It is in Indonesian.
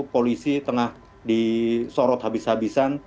polisi tengah disorot habis habisan